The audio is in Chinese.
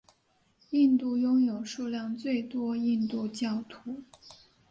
印度拥有数量最多印度教徒。